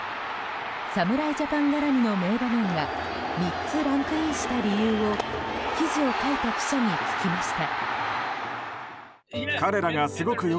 侍ジャパン絡みの名場面が３つランクインした理由を記事を書いた記者に聞きました。